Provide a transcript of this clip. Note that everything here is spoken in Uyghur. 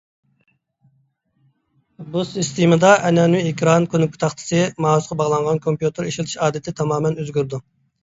بۇ سىستېمىدا ئەنئەنىۋى ئېكران، كۇنۇپكا تاختىسى، مائۇسقا باغلانغان كومپيۇتېر ئىشلىتىش ئادىتى تامامەن ئۆزگىرىدۇ.